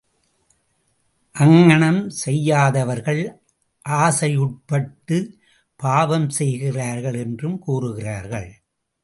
அங்ஙணம் செய்யாதவர்கள் ஆசையுட்பட்டு பாவம் செய்கிறார்கள் என்றும் கூறுகிறார்கள்.